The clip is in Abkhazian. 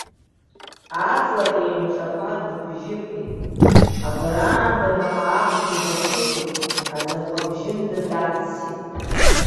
Аҵла еимҿаԥа дыбжьыԥеит, агәараанда наҟгьы-ааҟгьы дахыԥеит, аӡахәа бжьында даҵсит.